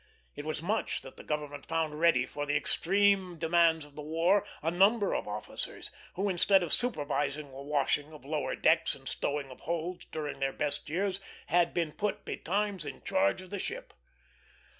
It was much that the government found ready for the extreme demands of the war a number of officers, who, instead of supervising the washing of lower decks and stowing of holds during their best years, had been put betimes in charge of the ship.